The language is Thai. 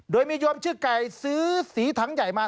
โดยมีโยมชื่อไก่ซื้อสีถังใหญ่มา